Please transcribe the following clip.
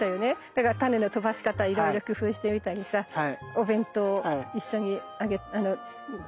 だから種の飛ばし方いろいろ工夫してみたりさお弁当一緒に加えたりとかね。